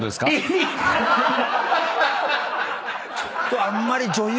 ちょっとあんまり女優。